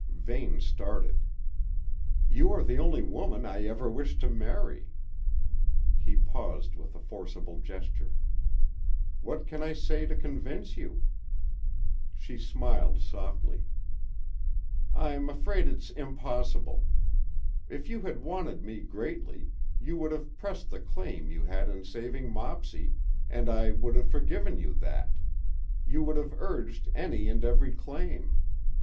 Vane started. "You are the only woman I ever wished to marry." He paused with a forcible gesture. "What can I say to convince you?" She smiled softly. "I'm afraid it's impossible. If you had wanted me greatly, you would have pressed the claim you had in saving Mopsy, and I would have forgiven you that; you would have urged any and every claim.